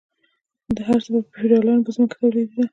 هر څه به د فیوډالانو په ځمکو کې تولیدیدل.